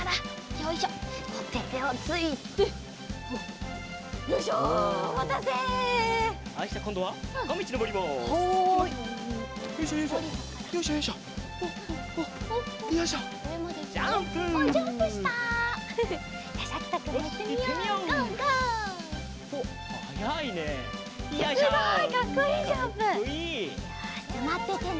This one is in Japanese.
よしじゃあまっててね。